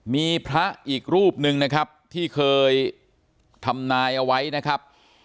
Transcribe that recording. มีพระอีกรูปหนึ่งนะครับที่เคยทำนายเอาไว้นะครับ